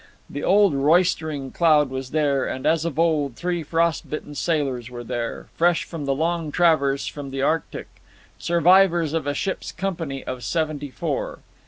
The old roystering crowd was there, and, as of old, three frost bitten sailors were there, fresh from the long traverse from the Arctic, survivors of a ship's company of seventy four.